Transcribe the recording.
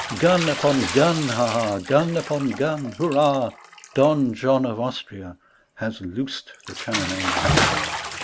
Gun upon gun, ha 1 ha 1 Gun upon gun, hurrah 1 Don John of Austria Has loosed the cannonade.